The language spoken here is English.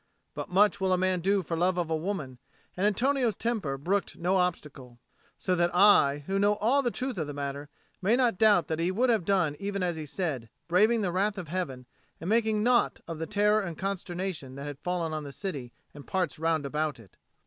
But much will a man do for love of a woman, and Antonio's temper brooked no obstacle: so that I, who know all the truth of the matter, may not doubt that he would have done even as he said, braving the wrath of Heaven and making naught of the terror and consternation that had fallen on the city and the parts round about it.